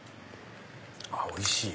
あっおいしい！